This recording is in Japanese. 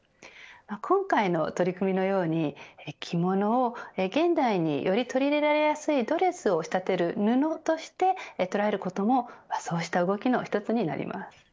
今回の取り組みのように着物を、現代により取り入れられやすいドレスを仕立てる布として捉えることもそうしたへ動きの一つになります。